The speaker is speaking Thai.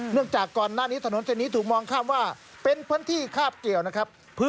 จากก่อนหน้านี้ถนนเส้นนี้ถูกมองข้ามว่าเป็นพื้นที่คาบเกี่ยวนะครับ